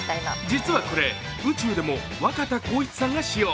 実はこれ、宇宙でも若田光一さんが使用。